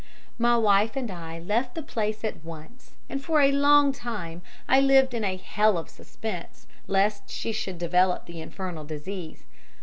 "My wife and I left the place at once, and for a long time I lived in a hell of suspense lest she should develop the infernal disease.